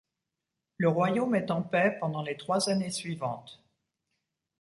Le Royaume est en paix pendant les trois années suivantes.